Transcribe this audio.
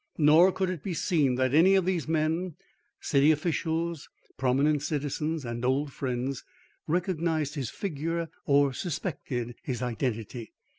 Nor could it be seen that any of these men city officials, prominent citizens and old friends, recognised his figure or suspected his identity.